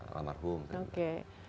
alam marhum oke